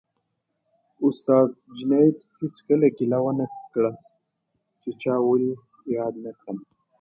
استاد جنید هېڅکله ګیله ونه کړه چې چا ولې یاد نه کړم